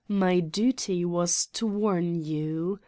My duty was to warn you.